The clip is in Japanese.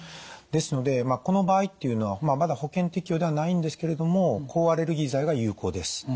ですのでこの場合っていうのはまだ保険適用ではないんですけれども抗アレルギー剤が有効です。